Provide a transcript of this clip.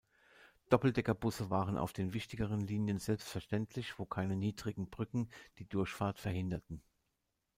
Doppeldeckerbusse waren auf den wichtigeren Linien selbstverständlich, wo keine niedrigen Brücken die Durchfahrt verhinderten.